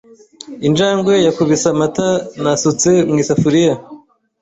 Injangwe yakubise amata nasutse mu isafuriya .